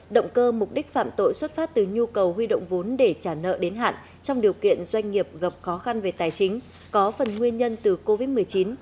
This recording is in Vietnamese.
động cơ mục đích phạm tội xuất phát từ nhu cầu huy động vốn để trả nợ đến hạn trong điều kiện doanh nghiệp gặp khó khăn về tài chính có phần nguyên nhân từ covid một mươi chín